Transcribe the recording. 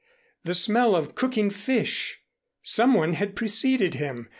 The smell of cooking fish! Some one had preceded him.